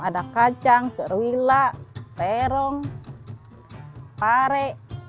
ada kacang cerwila perong pare